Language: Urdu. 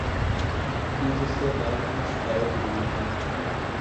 کی جس سے بات اسنے شکایت ضرور کی